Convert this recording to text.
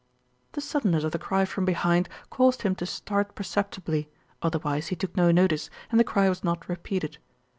The suddenness of the cry from behind caused him to start perceptibly, otherwise he took no notice, and the cry was not repeated.